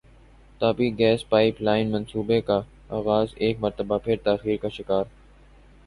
Tapi gas pipeline منصوبے کا اغاز ایک مرتبہ پھر تاخیر کا شکار